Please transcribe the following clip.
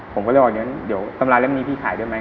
ผมก็เลยบอกเดี๋ยวตำราเล่มนี้พี่ขายได้ไหม